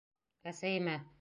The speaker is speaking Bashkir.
— Әсәйемә...